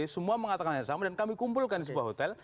semua mengatakan yang sama dan kami kumpulkan di sebuah hotel